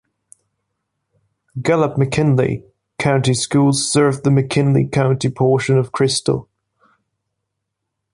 Gallup-McKinley County Schools serve the McKinley County portion of Crystal.